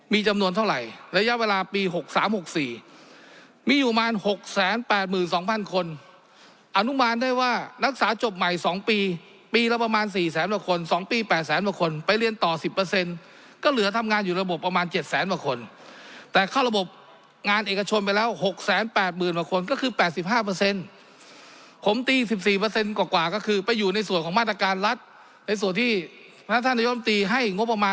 มีจำนวนเท่าไหร่ระยะเวลาปี๖๓๖๔มีอยู่ประมาณ๖๘๒๐๐คนอนุมานได้ว่านักศึกษาจบใหม่๒ปีปีละประมาณ๔แสนกว่าคน๒ปี๘แสนกว่าคนไปเรียนต่อ๑๐ก็เหลือทำงานอยู่ระบบประมาณ๗แสนกว่าคนแต่เข้าระบบงานเอกชนไปแล้ว๖๘๐๐๐กว่าคนก็คือ๘๕ผมตี๑๔กว่าก็คือไปอยู่ในส่วนของมาตรการรัฐในส่วนที่ท่านนายมตีให้งบประมาณ